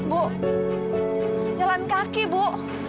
bu jalan kaki bu